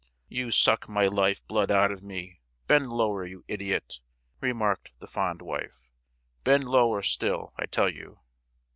"You suck my life blood out of me—bend lower, you idiot!" remarked the fond wife—"bend lower still, I tell you!"